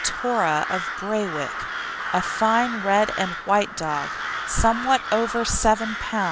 Tora of Braywick, a fine red and white dog, somewhat over 7 lb.